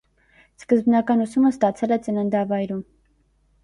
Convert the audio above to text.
Սկզբնական ուսումը ստացել է ծննդավայրում։